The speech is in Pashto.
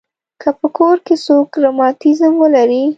که په کور کې څوک رماتیزم ولري.